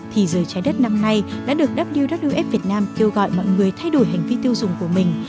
thì giờ trái đất năm nay đã được wwf việt nam kêu gọi mọi người thay đổi hành vi tiêu dùng của mình